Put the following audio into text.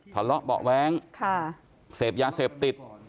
ทะเลาะเบาะแว้งเสพยาเสพติด